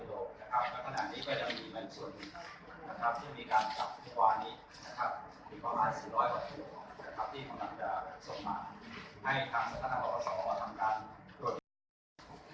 นี้ก็จะมีแบบส่วนนะครับที่มีการจับทุกวันนี้นะครับมีประมาณสี่ร้อยกว่าครับครับที่ของเราจะส่งมาให้ทางสถานะประสอบอาวุธทำการ